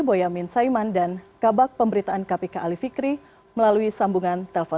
boyamin saiman dan kabak pemberitaan kpk ali fikri melalui sambungan telepon